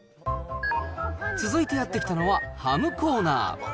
続いてやってきたのは、ハムコーナー。